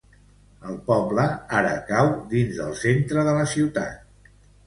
El poble ara cau dins del centre de la ciutat.